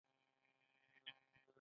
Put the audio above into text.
هغه دې په وار سره په ټولګي کې ولولي.